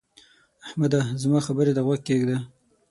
احمده! زما خبرې ته غوږ کېږده.